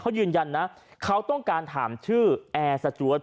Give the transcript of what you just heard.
เขายืนยันนะเขาต้องการถามชื่อแอร์สจวด